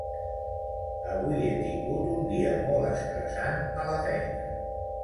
Avui he tingut un dia molt estressant a la feina.